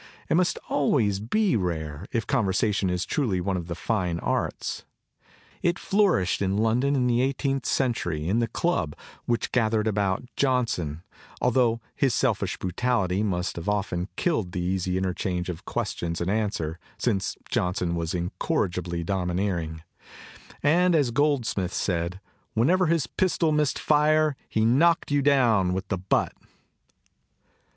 It must always be rare, if conversation is truly one of the fine arts. It flourished in London in the eighteenth century in the club, which gathered about Johnson, altho his selfish brutality must often have killed the easy interchange of ques tion and answer, since Johnson was incorrigibly domineering; and as Goldsmith said "whenever his pistol missed fire, he knocked you down with 156 CONCERNING CONVERSATION the butt."